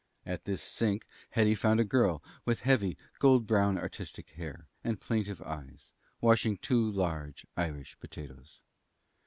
At this sink Hetty found a girl with heavy, gold brown, artistic hair and plaintive eyes, washing two large "Irish" potatoes.